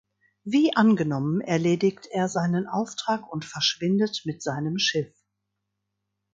Wie angenommen erledigt er seinen Auftrag und verschwindet mit seinem Schiff.